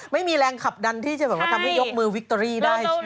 ไม่มีแรงขับดันที่จะทำที่ยกมือวิคโตรี่ได้